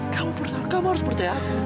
kamu percaya kamu harus percaya aku